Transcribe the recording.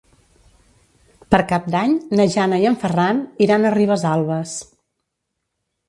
Per Cap d'Any na Jana i en Ferran iran a Ribesalbes.